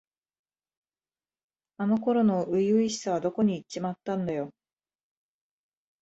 あの頃の初々しさはどこにいっちまったんだよ。